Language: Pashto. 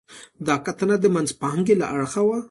دا کتنه د منځپانګې له اړخه وه.